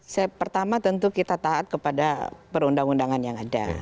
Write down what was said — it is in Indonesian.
saya pertama tentu kita taat kepada perundang undangan yang ada